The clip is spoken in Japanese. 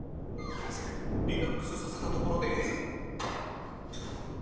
リラックスさせたところで